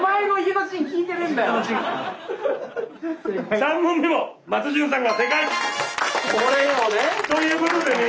３問目も松潤さんが正解！ということでね